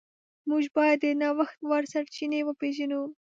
موږ باید د نوښت وړ سرچینې وپیژنو.